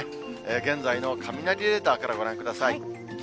現在の雷レーダーからご覧ください。